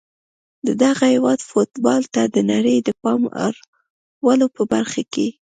د دغه هیواد فوټبال ته د نړۍ د پام اړولو په برخه کي